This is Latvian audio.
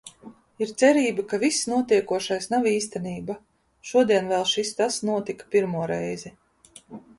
Ir cerība, ka viss notiekošais nav īstenība. Šodien vēl šis tas notika pirmo reizi.